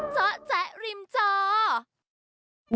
จ๊ะจ๊ะริมจ๋อ